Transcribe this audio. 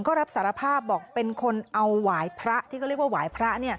ก็รับสารภาพบอกเป็นคนเอาหวายพระที่เขาเรียกว่าหวายพระ